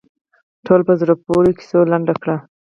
ټوله په زړه پورې کیسو لنډه کړه.